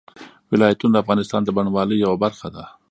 ولایتونه د افغانستان د بڼوالۍ یوه برخه ده.